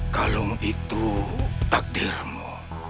kalung itu takdirmu